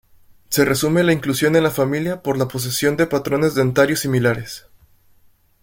Se resume la inclusión en la familia por la posesión de patrones dentarios similares.